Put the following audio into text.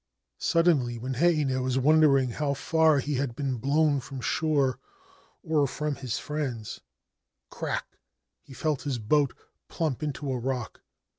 Suddenly, when Heinei was wondering how far he had been blown from shore or from his friends, crack !— he felt his boat plump into a rock.